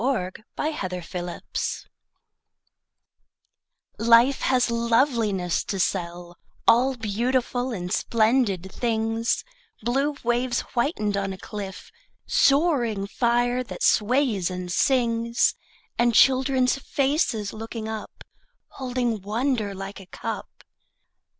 Sara Teasdale Barter LIFE has loveliness to sell, All beautiful and splendid things, Blue waves whitened on a cliff, Soaring fire that sways and sings, And children's faces looking up, Holding wonder like a cup.